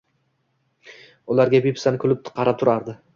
Ularga bepisand kulib qarab turardi.